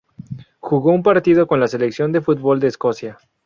Jugó un partido con la selección de fútbol de Escocia.